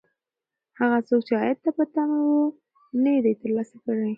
هغه څوک چې عاید ته په تمه و، نه یې دی ترلاسه کړی.